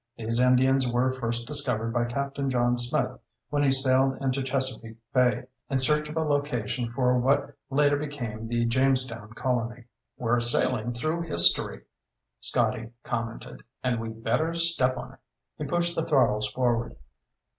These Indians were first discovered by Captain John Smith when he sailed into Chesapeake Bay in search of a location for what later became the Jamestown Colony.'" "We're sailing through history," Scotty commented. "And we'd better step on it." He pushed the throttles forward.